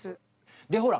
でほら